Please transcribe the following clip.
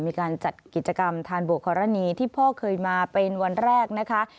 มีการจัดกิจกรรมทานบัวครณีที่พ่อเคยมาเป็นวันแรกนะคะ